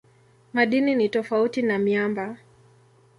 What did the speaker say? Madini ni tofauti na miamba.